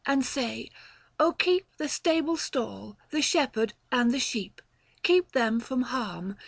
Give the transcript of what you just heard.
and say, " Oh keep The stable stall, the shepherd, and the sheep ; Keep them from harm.